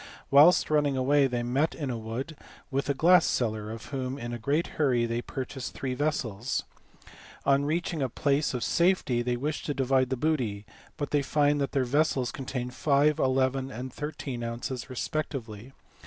Whilst running away they met in a wood with a glass seller of whom in a great hurry they purchased three vessels. On reaching a place of safety they wish to divide the booty, but they find that their vessels contain 5, 11, and 13 ounces respectively.